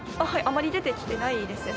あまり出てきてないですね。